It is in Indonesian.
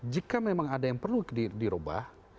jika memang ada yang perlu dirubah